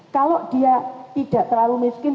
kalau dia tidak terlalu miskin